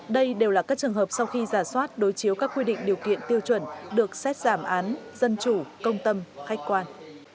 đây đều là các trường hợp sau khi giả soát đối chiếu các quy định điều kiện tiêu chuẩn được xét giảm án dân chủ công tâm khách quan